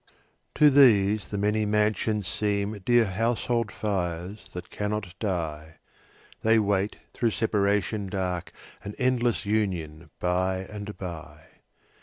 To these the many mansions seem Dear household fires that cannot die; They wait through separation dark An endless union by and by.